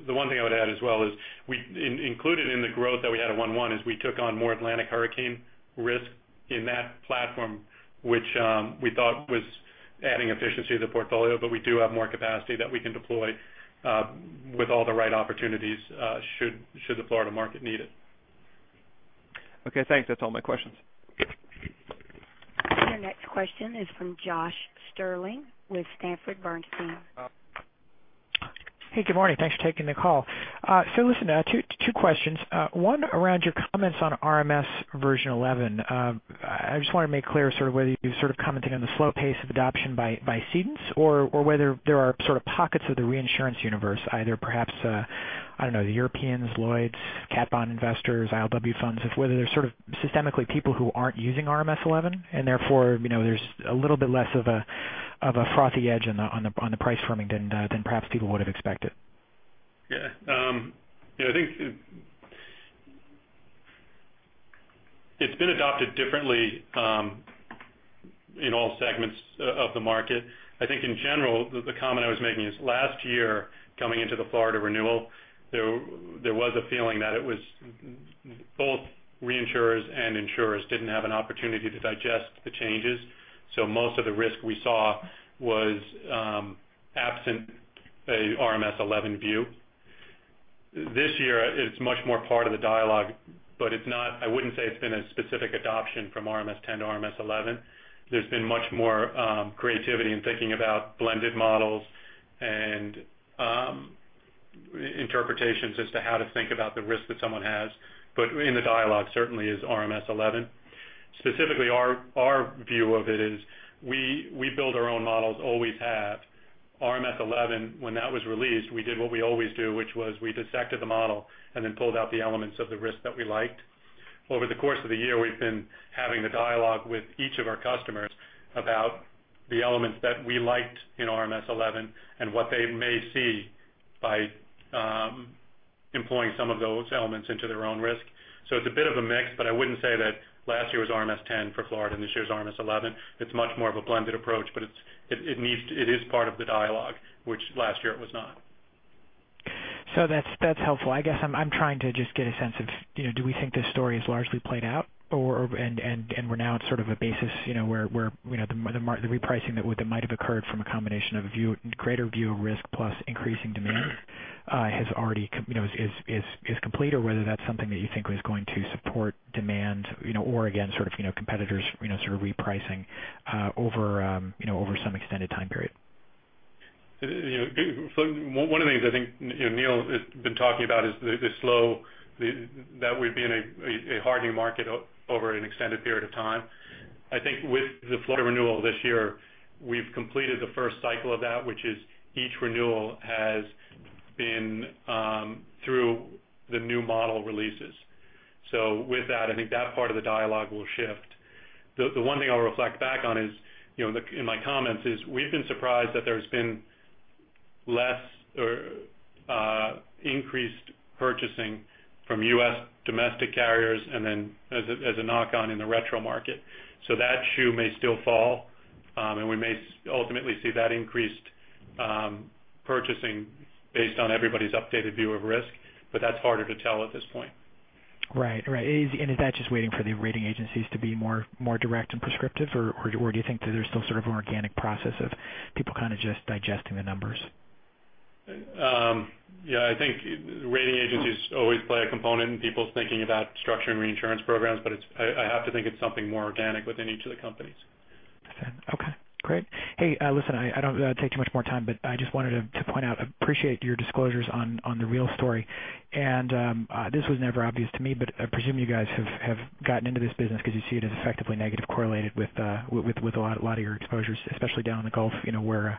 The one thing I would add as well is included in the growth that we had at 1/1 is we took on more Atlantic hurricane risk in that platform, which we thought was Adding efficiency to the portfolio, but we do have more capacity that we can deploy with all the right opportunities should the Florida market need it. Okay, thanks. That's all my questions. Your next question is from Josh Stirling with Sanford Bernstein. Hey, good morning. Thanks for taking the call. Listen, two questions. One around your comments on RMS version 11. I just want to make clear whether you're commenting on the slow pace of adoption by cedents, or whether there are pockets of the reinsurance universe, either perhaps, I don't know, the Europeans, Lloyd's, cat bond investors, ILW funds, whether they're systemically people who aren't using RMS 11, and therefore, there's a little bit less of a frothy edge on the price firming than perhaps people would have expected. Yeah. I think it's been adopted differently in all segments of the market. I think in general, the comment I was making is last year, coming into the Florida renewal, there was a feeling that it was both reinsurers and insurers didn't have an opportunity to digest the changes. Most of the risk we saw was absent a RMS 11 view. This year, it's much more part of the dialogue, I wouldn't say it's been a specific adoption from RMS 10 to RMS 11. There's been much more creativity in thinking about blended models and interpretations as to how to think about the risk that someone has. In the dialogue, certainly is RMS 11. Specifically, our view of it is we build our own models, always have. RMS 11, when that was released, we did what we always do, which was we dissected the model pulled out the elements of the risk that we liked. Over the course of the year, we've been having the dialogue with each of our customers about the elements that we liked in RMS 11 and what they may see by employing some of those elements into their own risk. It's a bit of a mix, I wouldn't say that last year was RMS 10 for Florida and this year's RMS 11. It's much more of a blended approach, it is part of the dialogue, which last year it was not. That's helpful. I guess I'm trying to just get a sense of, do we think this story is largely played out, and we're now at sort of a basis where the repricing that might have occurred from a combination of a greater view of risk plus increasing demand is complete? Or whether that's something that you think is going to support demand, or again, competitors repricing over some extended time period. One of the things I think Neill has been talking about is that we've been a hardening market over an extended period of time. I think with the Florida renewal this year, we've completed the first cycle of that, which is each renewal has been through the new model releases. With that, I think that part of the dialogue will shift. The one thing I'll reflect back on in my comments is we've been surprised that there's been less increased purchasing from U.S. domestic carriers and then as a knock-on in the retrocession market. That shoe may still fall, and we may ultimately see that increased purchasing based on everybody's updated view of risk, but that's harder to tell at this point. Right. Is that just waiting for the rating agencies to be more direct and prescriptive, or do you think that there's still sort of an organic process of people kind of just digesting the numbers? Yeah, I think rating agencies always play a component in people's thinking about structuring reinsurance programs, but I have to think it's something more organic within each of the companies. Okay, great. Hey, listen, I don't want to take too much more time, but I just wanted to point out, appreciate your disclosures on the REAL story. This was never obvious to me, but I presume you guys have gotten into this business because you see it as effectively negatively correlated with a lot of your exposures, especially down in the Gulf, where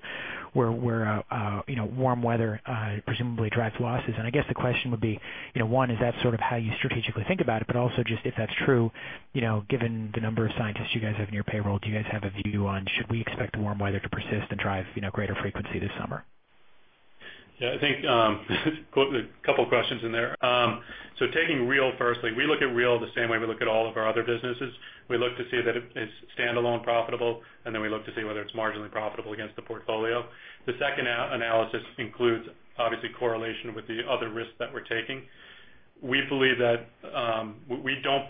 warm weather presumably drives losses. I guess the question would be, one, is that how you strategically think about it, but also just if that's true, given the number of scientists you guys have in your payroll, do you guys have a view on should we expect warm weather to persist and drive greater frequency this summer? Yeah, I think a couple of questions in there. Taking REAL firstly. We look at REAL the same way we look at all of our other businesses. We look to see that it's standalone profitable, and then we look to see whether it's marginally profitable against the portfolio. The second analysis includes, obviously, correlation with the other risks that we're taking. We don't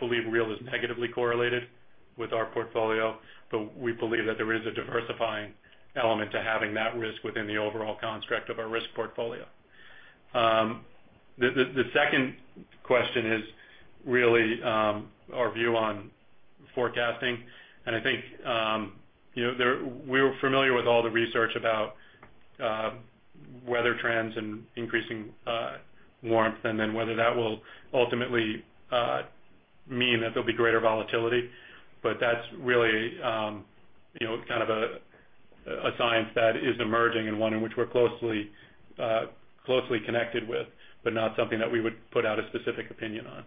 believe REAL is negatively correlated with our portfolio, but we believe that there is a diversifying element to having that risk within the overall construct of our risk portfolio. The second question is really our view on forecasting. I think we're familiar with all the research about weather trends and increasing warmth, and then whether that will ultimately mean that there'll be greater volatility. That's really kind of a science that is emerging and one in which we're closely connected with, but not something that we would put out a specific opinion on.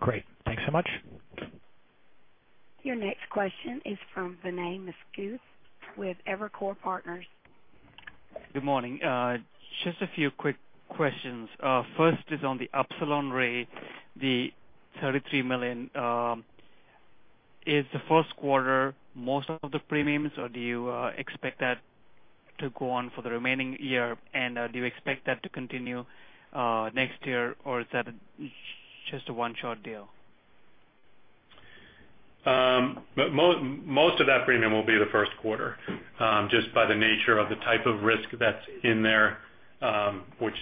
Great. Thanks so much. Your next question is from Vinay Misquith with Evercore Partners. Good morning. Just a few quick questions. First is on the Upsilon Re, the $33 million. Is the first quarter most of the premiums, or do you expect that to go on for the remaining year? Do you expect that to continue next year, or is that just a one-shot deal? Most of that premium will be the first quarter, just by the nature of the type of risk that's in there, which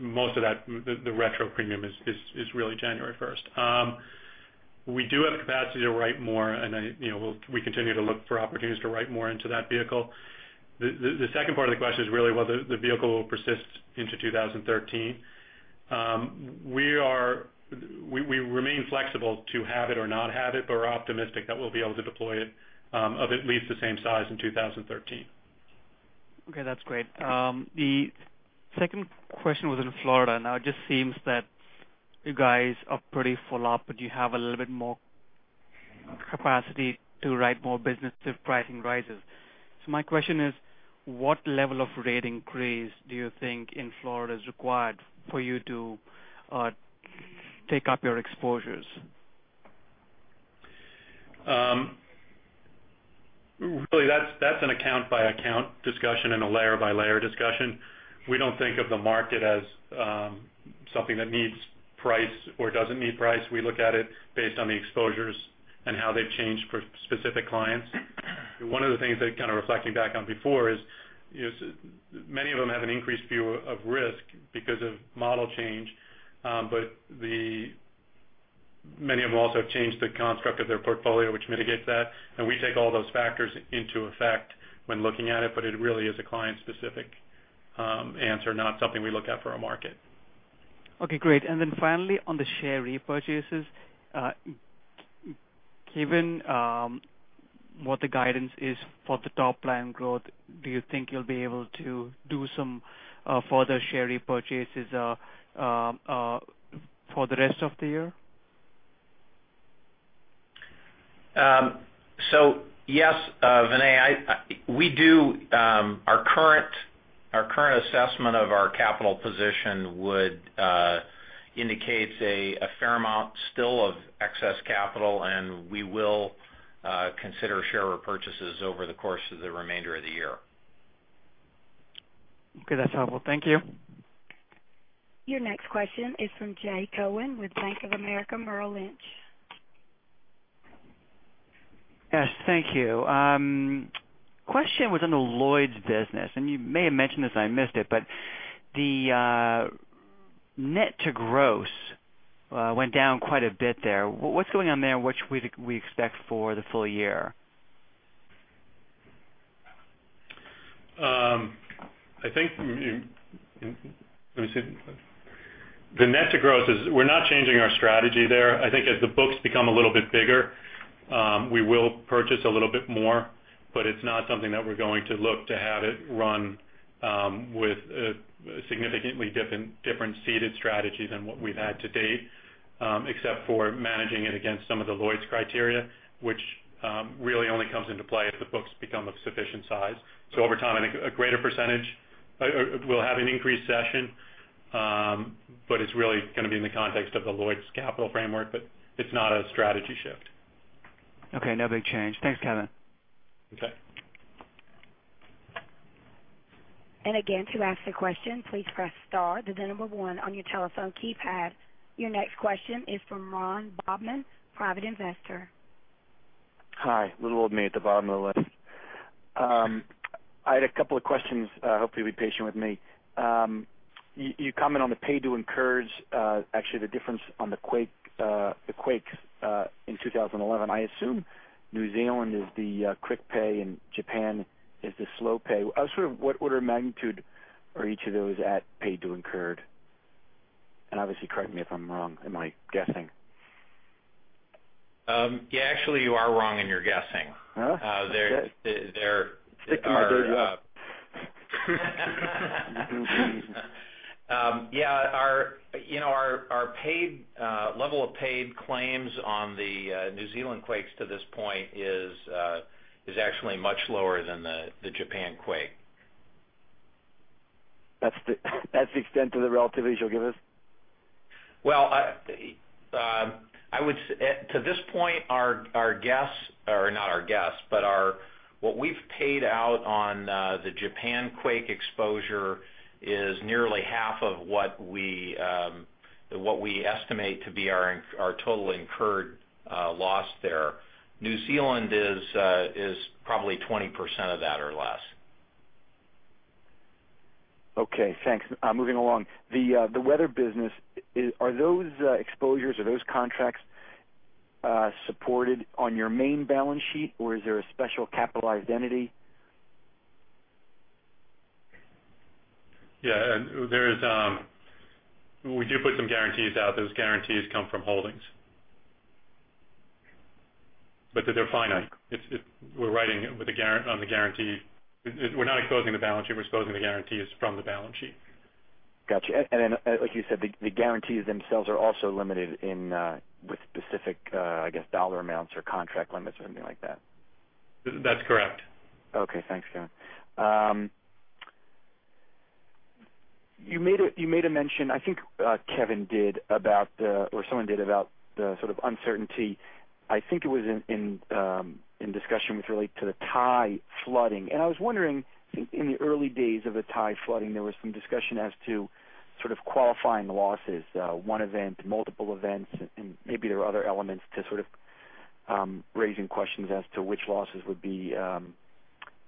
most of the retrocession premium is really January 1st. We do have capacity to write more, and we continue to look for opportunities to write more into that vehicle. The second part of the question is really whether the vehicle will persist into 2013. We remain flexible to have it or not have it, but we're optimistic that we'll be able to deploy it of at least the same size in 2013. Okay, that's great. The second question was in Florida. It just seems that you guys are pretty full up, but you have a little bit more capacity to write more business if pricing rises. My question is, what level of rate increase do you think in Florida is required for you to take up your exposures? That's an account-by-account discussion and a layer-by-layer discussion. We don't think of the market as something that needs price or doesn't need price. We look at it based on the exposures and how they've changed for specific clients. One of the things that kind of reflecting back on before is, many of them have an increased view of risk because of model change. Many of them also have changed the construct of their portfolio, which mitigates that, and we take all those factors into effect when looking at it, but it really is a client specific answer, not something we look at for a market. Okay, great. Then finally, on the share repurchases, given what the guidance is for the top line growth, do you think you'll be able to do some further share repurchases for the rest of the year? Yes, Vinay, our current assessment of our capital position would indicate a fair amount still of excess capital, and we will consider share repurchases over the course of the remainder of the year. Okay, that's helpful. Thank you. Your next question is from Jay Cohen with Bank of America Merrill Lynch. Yes, thank you. Question was on the Lloyd's business, and you may have mentioned this, I missed it, but the net to gross went down quite a bit there. What's going on there and what should we expect for the full year? The net to gross is we're not changing our strategy there. I think as the books become a little bit bigger, we will purchase a little bit more, but it's not something that we're going to look to have it run with a significantly different ceeded strategy than what we've had to date, except for managing it against some of the Lloyd's criteria, which really only comes into play if the books become of sufficient size. Over time, a greater percentage will have an increased cession, but it's really going to be in the context of the Lloyd's capital framework, but it's not a strategy shift. Okay, no big change. Thanks, Kevin. Okay. Again, to ask a question, please press star, then the number 1 on your telephone keypad. Your next question is from Ron Bobman, private investor. Hi, little old me at the bottom of the list. I had a couple of questions. Hopefully, you'll be patient with me. You comment on the paid to incurred, actually the difference on the quakes in 2011. I assume New Zealand is the quick pay and Japan is the slow pay. What order of magnitude are each of those at paid to incurred? Obviously, correct me if I'm wrong in my guessing. Yeah, actually you are wrong in your guessing. Oh, okay. Yeah, our level of paid claims on the New Zealand quakes to this point is actually much lower than the Japan quake. That's the extent of the relativity you'll give us? Well, to this point, our guess, or not our guess, but what we've paid out on the Japan quake exposure is nearly half of what we estimate to be our total incurred loss there. New Zealand is probably 20% of that or less. Okay, thanks. Moving along. The weather business, are those exposures or those contracts supported on your main balance sheet, or is there a special capitalized entity? Yeah. We do put some guarantees out. Those guarantees come from holdings. They're finite. We're writing on the guarantee. We're not exposing the balance sheet, we're exposing the guarantees from the balance sheet. Got you. Like you said, the guarantees themselves are also limited with specific, I guess, dollar amounts or contract limits or something like that? That's correct. Okay, thanks, Kevin. You made a mention, I think Kevin did, or someone did, about the sort of uncertainty I think it was in discussion with relate to the Thai flooding. I was wondering, in the early days of the Thai flooding, there was some discussion as to sort of qualifying the losses, one event, multiple events, and maybe there were other elements to sort of raising questions as to which losses would be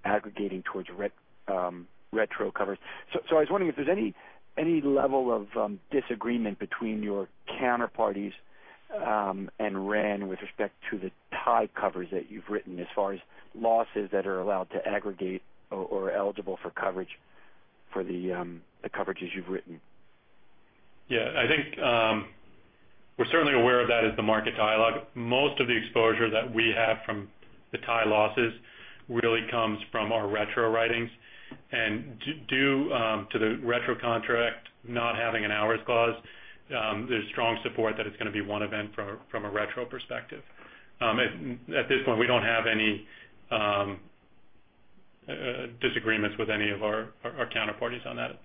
aggregating towards retrocession covers. I was wondering if there's any level of disagreement between your counterparties, and RenRe with respect to the Thai covers that you've written as far as losses that are allowed to aggregate or are eligible for coverage for the coverages you've written. Yeah. I think, we're certainly aware of that as the market dialogue. Most of the exposure that we have from the Thai losses really comes from our retrocession writings. Due to the retrocession contract not having an hours clause, there's strong support that it's going to be one event from a retrocession perspective. At this point, we don't have any disagreements with any of our counterparties on that.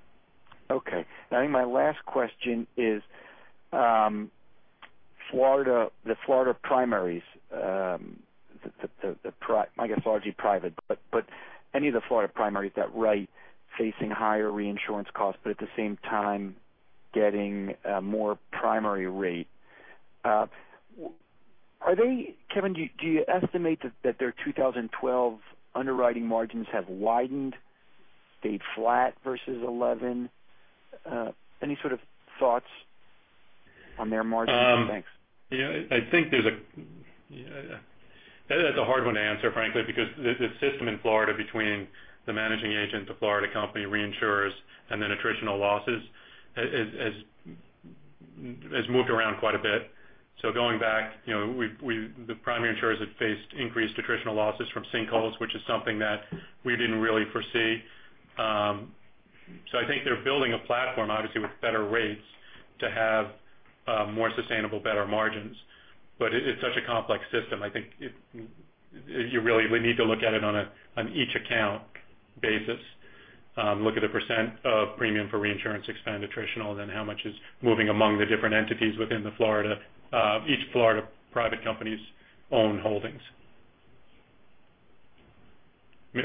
Okay. I think my last question is, the Florida primaries, I guess largely private, but any of the Florida primaries that write facing higher reinsurance costs, but at the same time, getting a more primary rate. Kevin, do you estimate that their 2012 underwriting margins have widened, stayed flat versus 2011? Any sort of thoughts on their margins? Thanks. That's a hard one to answer, frankly, because the system in Florida between the managing agent, the Florida company reinsurers, and then attritional losses, has moved around quite a bit. Going back, the primary insurers have faced increased attritional losses from sinkholes, which is something that we didn't really foresee. I think they're building a platform, obviously with better rates to have more sustainable, better margins. It's such a complex system. I think you really would need to look at it on each account basis, look at the percent of premium for reinsurance expense attritional, then how much is moving among the different entities within each Florida private company's own holdings.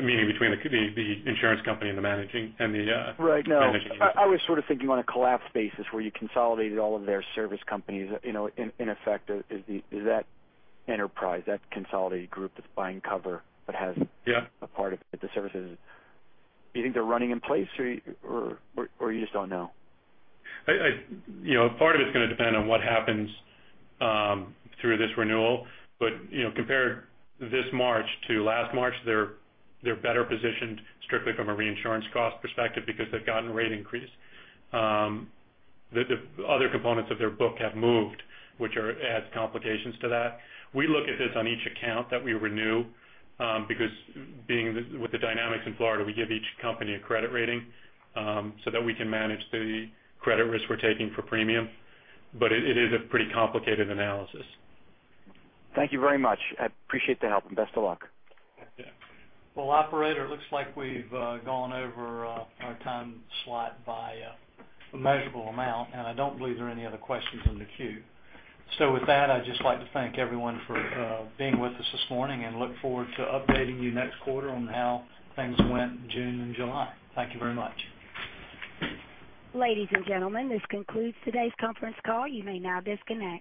Meaning between the insurance company and the managing. Right. No, I was sort of thinking on a collapsed basis where you consolidated all of their service companies in effect is that enterprise, that consolidated group that's buying cover. Yeah a part of the services. Do you think they're running in place or you just don't know? Part of it's going to depend on what happens through this renewal. Compared this March to last March, they're better positioned strictly from a reinsurance cost perspective because they've gotten rate increase. The other components of their book have moved, which adds complications to that. We look at this on each account that we renew, because being with the dynamics in Florida, we give each company a credit rating, so that we can manage the credit risk we're taking for premium. It is a pretty complicated analysis. Thank you very much. I appreciate the help and best of luck. Yeah. Well, operator, looks like we've gone over our time slot by a measurable amount. I don't believe there are any other questions in the queue. With that, I'd just like to thank everyone for being with us this morning and look forward to updating you next quarter on how things went June and July. Thank you very much. Ladies and gentlemen, this concludes today's conference call. You may now disconnect.